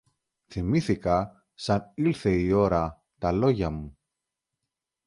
θυμήθηκα, σαν ήλθε η ώρα, τα λόγια μου.